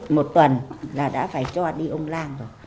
một tuần là đã phải cho đi ông lan rồi